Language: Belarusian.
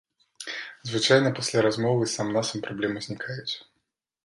Звычайна пасля размовы сам-насам праблемы знікаюць.